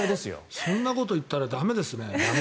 そんなこと言ったら駄目ですね。